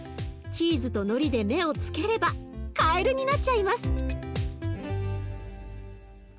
チーズとのりで目をつければかえるになっちゃいます。